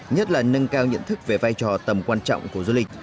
nhất là nâng cao nhận thức về vai trò tầm quan trọng của du lịch